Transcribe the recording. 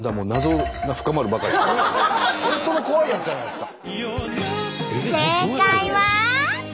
本当の怖いやつじゃないですか。